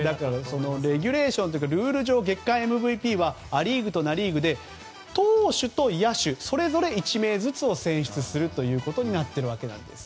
レギュレーションというかルール上、月間ＭＶＰはア・リーグとナ・リーグで投手と野手それぞれ１名ずつを選出するということになっているわけです。